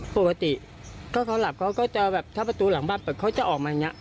ปกติถ้าเขาหลับเขาก็จะแบบถ้าประตูหลังบ้านเปิดเขาจะออกมาอย่างนี้